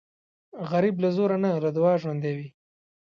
غریب له زوره نه، له دعاو ژوندی وي